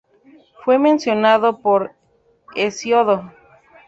Fue mencionado por Hesíodo.